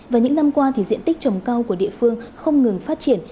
và những năm qua thì diện tích trồng cao của địa phương không ngừng phát triển